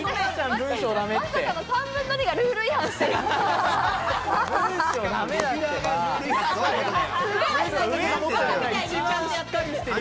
３分の２がルール違反してる。